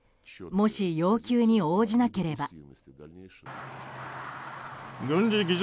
もし、要求に応じなければ。